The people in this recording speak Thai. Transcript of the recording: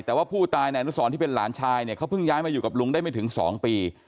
แต่ว่าผู้ตายนายอนุสรที่เป็นหลานชายเนี่ยเขาเพิ่งย้ายมาอยู่กับลุงได้ไม่ถึง๒ปี